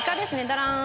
ダラーン。